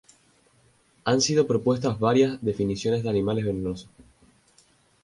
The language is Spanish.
Han sido propuestas varias definiciones de animales venenosos.